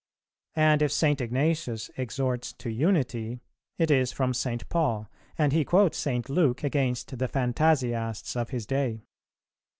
And if St. Ignatius exhorts to unity, it is from St. Paul; and he quotes St. Luke against the Phantasiasts of his day.